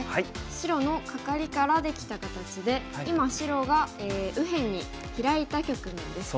白のカカリからできた形で今白が右辺にヒラいた局面です。